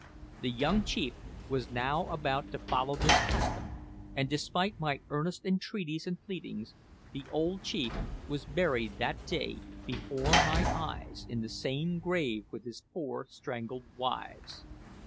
The young chief was now about to follow this custom, and despite my earnest entreaties and pleadings, the old chief was buried that day before my eyes in the same grave with his four strangled wives!